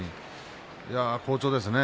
好調ですね。